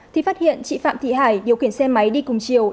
thì phát hiện chị phạm thị hải điều khiển xe máy đi cùng chiều